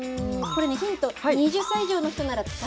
これ、ヒント、２０歳以上の２０歳？